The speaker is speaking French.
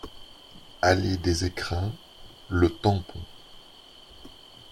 Allée des Ecrins, Le Tampon